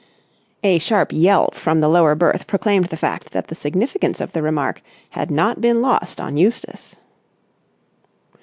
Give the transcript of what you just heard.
A sharp yelp from the lower berth proclaimed the fact that the significance of the remark had not been lost on Eustace.